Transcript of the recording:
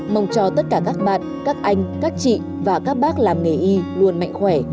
mong cho tất cả các bạn các anh các chị và các bác làm nghề y luôn mạnh khỏe